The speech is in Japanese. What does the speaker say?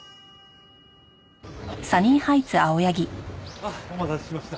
あっお待たせしました。